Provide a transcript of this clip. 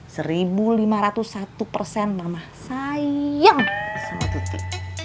seribu lima ratu satu persen mama sayang sama tuti